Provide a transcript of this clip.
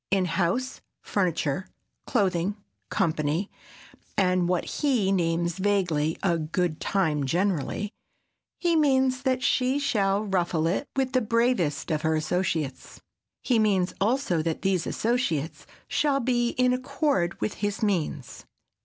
In house, furniture, clothing, company, and what he names vaguely "a good time generally," he means that she shall ruffle it with the bravest of her associates. He means also that these associates shall be in accord with his means.